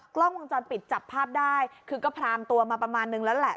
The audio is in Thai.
กล้องวงจรปิดจับภาพได้คือก็พรางตัวมาประมาณนึงแล้วแหละ